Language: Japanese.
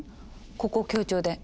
ここ強調で。